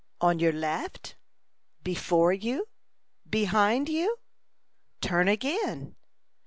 On your left? Before you? Behind you? Turn again.